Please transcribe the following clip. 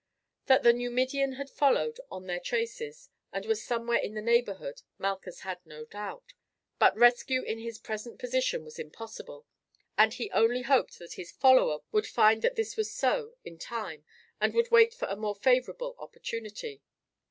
That the Numidian had followed on their traces and was somewhere in the neighbourhood Malchus had no doubt, but rescue in his present position was impossible, and he only hoped that his follower would find that this was so in time and would wait for a more favourable opportunity.